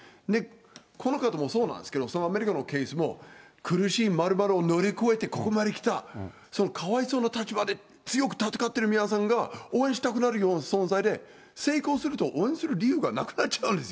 この方もそうなんですけど、そのアメリカのケースも、苦しい○○を乗り越えてここまできた、そのかわいそうな立場で強く戦ってる皆さんが、応援したくなるような存在で、成功すると、応援する理由がなくなっちゃうんです。